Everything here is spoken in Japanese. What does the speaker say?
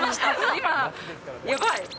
今、やばい。